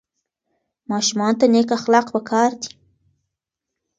ماشومانو ته نیک اخلاق په کار دي.